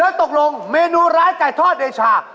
แล้วตกลงเมนูร้ายไก่ทอดเดชา